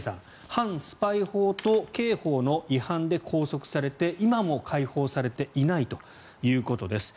反スパイ法と刑法の違反で拘束されて今も解放されていないということです。